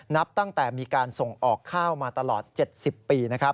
นับตั้งแต่มีการส่งออกข้าวมาตลอด๗๐ปี